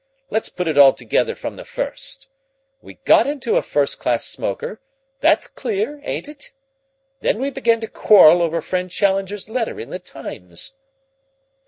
Let's put it all together from the first. We got into a first class smoker, that's clear, ain't it? Then we began to quarrel over friend Challenger's letter in the Times."